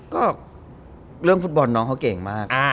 ก็เรื่องฟุตบอลน้องเขาเก่งมาก